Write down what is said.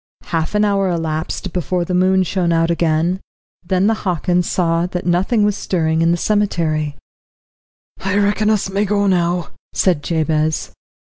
Half an hour elapsed before the moon shone out again. Then the Hockins saw that nothing was stirring in the cemetery. "I reckon us may go now," said Jabez.